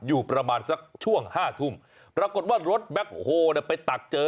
อยู่ประมาณสักช่วงห้าทุ่มปรากฏว่ารถแบ็คโฮลไปตักเจอ